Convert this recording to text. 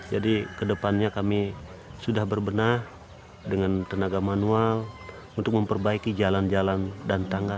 jadi ke depannya kami sudah berbenah dengan tenaga manual untuk memperbaiki jalan jalan dan tangga